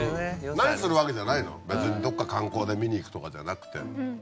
何するわけじゃないの別にどっか観光で見に行くとかじゃなくて。